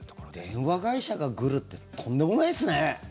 電話会社がグルってとんでもないですね。